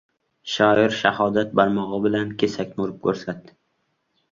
Shoir shahodat barmog‘i bilan kesakni urib ko‘rsatdi.